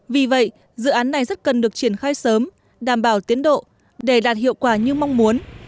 vì vậy dự án này rất cần được triển khai sớm đảm bảo tiến độ để đạt hiệu quả như mong muốn